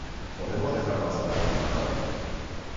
¿ Podemos dejarlo hasta la mudanza?